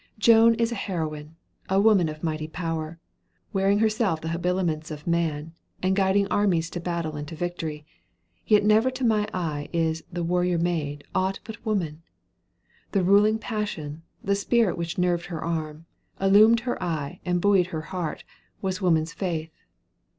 Joan is a heroine a woman of mighty power wearing herself the habiliments of man, and guiding armies to battle and to victory; yet never to my eye is "the warrior maid" aught but woman. The ruling passion, the spirit which nerved her arm, illumed her eye, and buoyed her heart, was woman's faith.